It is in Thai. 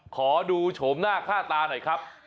ขอดูโฉมหน้าค่าตาหน่อยครับ